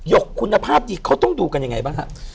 หยกคุณภาพเขาต้องดูกันอย่างไรบ้างครับ